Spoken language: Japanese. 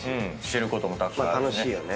知ることもたくさんあるね。